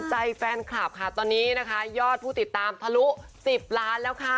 ใจแฟนคลับค่ะตอนนี้นะคะยอดผู้ติดตามทะลุ๑๐ล้านแล้วค่ะ